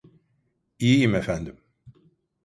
İyiyim efendim.